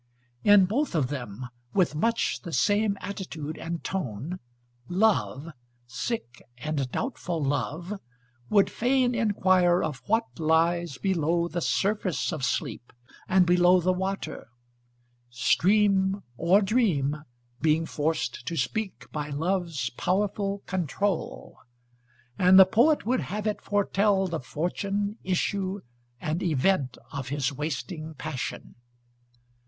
In both of them, with much the same attitude and tone, Love sick and doubtful Love would fain inquire of what lies below the surface of sleep, and below the water; stream or dream being forced to speak by Love's powerful "control"; and the poet would have it foretell the fortune, issue, and event of his wasting passion.